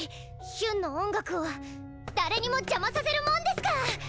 ヒュンの音楽を誰にも邪魔させるもんですか！